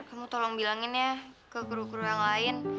kamu tolong bilangin ya ke kru kru yang lain